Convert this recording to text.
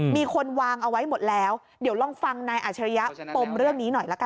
มีคนวางเอาไว้หมดแล้วเดี๋ยวลองฟังนายอัชริยะปมเรื่องนี้หน่อยละกัน